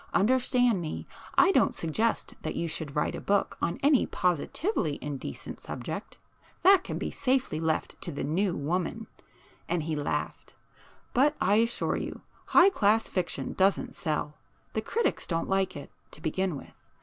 Understand me,—I don't suggest that you should write a book on any positively indecent subject,—that can be safely left to the 'New' woman,"—and he laughed,—"but I assure you high class fiction doesn't sell. The critics don't like it, to begin with.